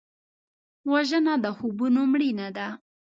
وژنه د خوبونو مړینه ده